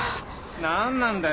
何なんだよ？